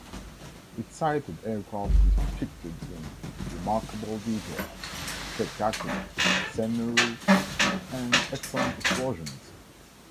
It cited aircraft depicted in "remarkable detail", "spectacular" scenery, and excellent explosions.